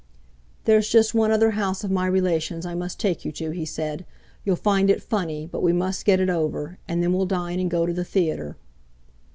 "There's just one other house of my relations I must take you to," he said; "you'll find it funny, but we must get it over; and then we'll dine and go to the theatre."